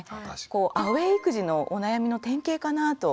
アウェイ育児のお悩みの典型かなぁと思いました。